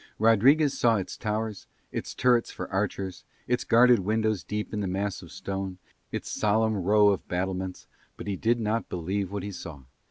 Rodriguez saw its towers, its turrets for archers, its guarded windows deep in the mass of stone, its solemn row of battlements, but he did not believe what he saw.